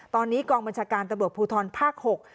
ตอนนี้กองบัญชาการตำรวจภูทรภาค๖